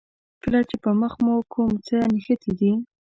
کله چې په مخ مو کوم څه نښتي دي.